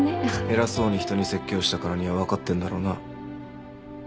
偉そうに人に説教したからには分かってんだろうな？